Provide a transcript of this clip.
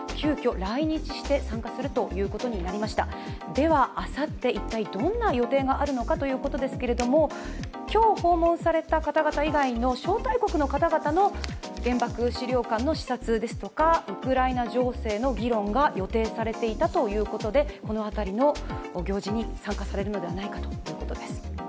ではあさって、一体どんな予定があるかということですけれども今日訪問された方々以外の招待国の方々の原爆資料館の視察ですとかウクライナ情勢の議論が予定されていたということでこの辺りの行事に参加されるのではないかということです。